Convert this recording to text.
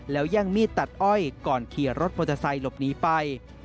แล้วแย่งมีดตัดอ้อยก่อนขี่รถมอเตอร์ไซค์หลบหนีไป